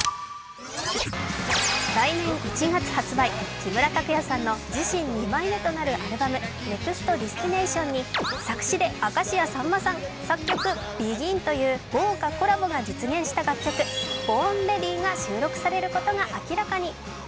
木村拓哉さんの自身２枚目となるアルバム「ＮｅｘｔＤｅｓｔｉｎａｔｉｏｎ」に、作詞で明石家さんまさん作曲、ＢＥＧＩＮという豪華コラボが実現した楽曲、「Ｂｏｒｎｒｅａｄｙ」が収録されることが明らかに。